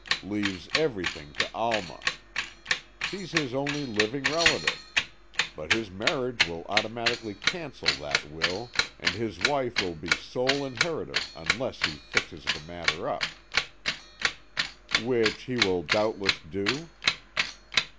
"Leaves everything to Alma. She's his only living relative. But his marriage will automatically cancel that will, and his wife will be sole inheritor unless he fixes the matter up." "Which he will doubtless do."